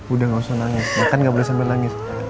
udah gak usah nangis makan gak boleh sampe nangis